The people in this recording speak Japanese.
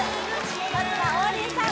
まずは王林さん